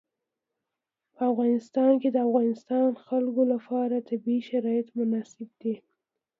په افغانستان کې د د افغانستان خلکو لپاره طبیعي شرایط مناسب دي.